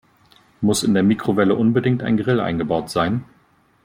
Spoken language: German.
Muss in der Mikrowelle unbedingt ein Grill eingebaut sein?